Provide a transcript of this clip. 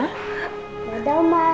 udah dong ma